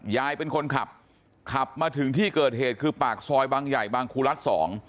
ยายเป็นคนขับขับมาถึงที่เกิดเหตุคือปากซอยบางใหญ่บางครูรัฐ๒